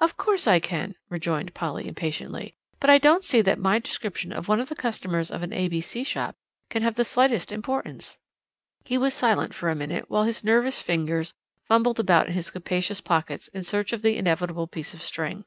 "Of course I can," rejoined Polly impatiently, "but I don't see that my description of one of the customers of an A.B.C. shop can have the slightest importance." He was silent for a minute, while his nervous fingers fumbled about in his capacious pockets in search of the inevitable piece of string.